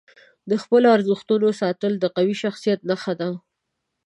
د خپلو ارزښتونو ساتل د قوي شخصیت نښه ده.